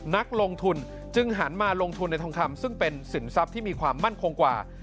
นักลงทุนจึงหันมาลงทุนในทองคำซึ่งเป็นสินทรัพย์ที่มีความมั่นคงกว่า